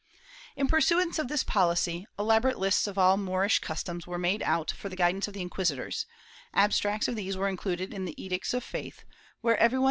^ In pursuance of this policy, elaborate lists of all Moorish customs were made out for the guidance of inquisitors; abstracts of these were included in the Edicts of Faith, where every one who had * Archive de Simancas, Inq.